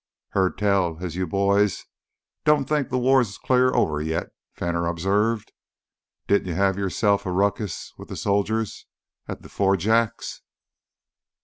"Heard tell as you boys don't think th' war's clear over yet," Fenner observed. "Didn't you have yoreselves a ruckus with th' soldiers at th' Four Jacks?"